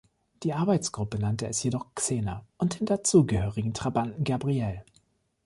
Die Arbeitsgruppe nannte es jedoch „Xena“ und den dazugehörigen Trabanten „Gabrielle“.